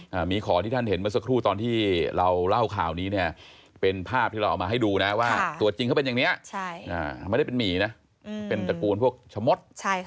หมีขอที่ท่านเห็นเมื่อสักครู่ตอนที่เราเล่าข่าวนี้เนี่ยเป็นภาพที่เราเอามาให้ดูนะว่าตัวจริงเขาเป็นอย่างนี้ไม่ได้เป็นหมีนะเป็นตระกูลพวกชะมดใช่ค่ะ